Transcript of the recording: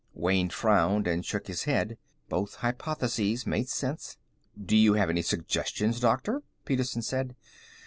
Wayne frowned and shook his head. Both hypotheses made sense. "Do you have any suggestions, Doctor?" Petersen said.